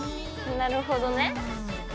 なるほどね。